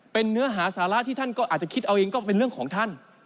เป็นเนื้อหาสาระที่ท่านก็อาจจะคิดเอาเองก็เป็นเรื่องของท่าน